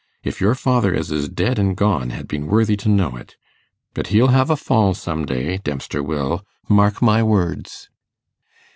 If your father as is dead and gone had been worthy to know it! But he'll have a fall some day, Dempster will. Mark my words.